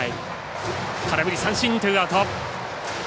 空振り三振、ツーアウト。